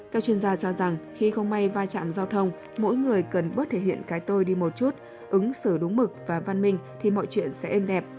các chuyên gia cho rằng khi không may va chạm giao thông mỗi người cần bớt thể hiện cái tôi đi một chút ứng xử đúng mực và văn minh thì mọi chuyện sẽ êm đẹp